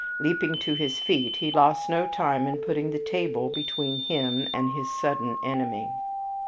Leaping to his feet, he lost no time in putting the table between himself and his sudden enemy.